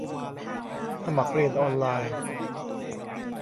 สมัครเรียนออนไลน์